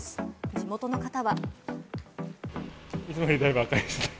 地元の方は。